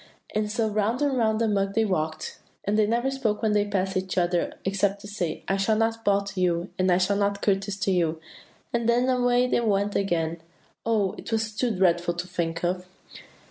And so round and round the mug they walked, and they never spoke when they went past each other except to say, 'I shall not bow to you,' and 'I shall not courtesy to you,' and then away they went again. Oh, it was too dreadful to think of!